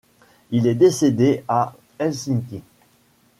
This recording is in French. Il est décédé à Helsinki.